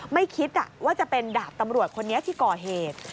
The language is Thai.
ไม่คิดว่าจะเป็นดาบตำรวจคนนี้ที่ก่อเหตุ